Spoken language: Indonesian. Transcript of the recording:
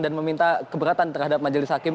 meminta keberatan terhadap majelis hakim